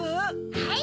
はい。